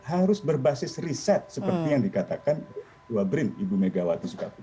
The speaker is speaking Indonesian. harus berbasis riset seperti yang dikatakan dua brin ibu megawati soekarno